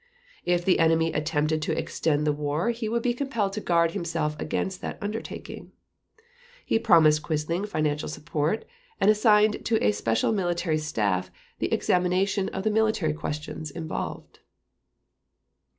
If the enemy attempted to extend the war he would be compelled to guard himself against that undertaking. He promised Quisling financial support, and assigned to a special military staff the examination of the military questions involved.